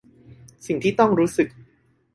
สิ่งที่ต้องรู้สึก